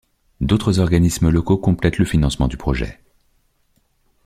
D'autres organismes locaux complètent le financement du projet.